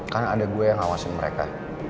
karena ada gue yang ngawasin mereka